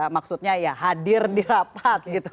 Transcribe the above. maksudnya ya hadir dirapat